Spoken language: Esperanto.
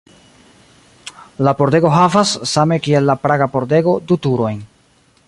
La pordego havas, same kiel la Praga pordego, du turojn.